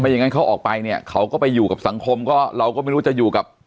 อย่างนั้นเขาออกไปเนี่ยเขาก็ไปอยู่กับสังคมก็เราก็ไม่รู้จะอยู่กับ